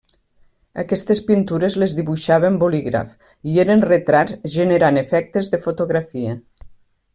Aquestes pintures les dibuixava amb bolígraf, i eren retrats generant efectes de fotografia.